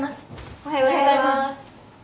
おはようございます。